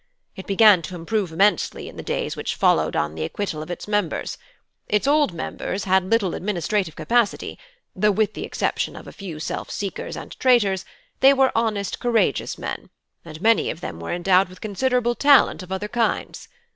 It began to improve immensely in the days which followed on the acquittal of its members. Its old members had little administrative capacity, though with the exception of a few self seekers and traitors, they were honest, courageous men, and many of them were endowed with considerable talent of other kinds.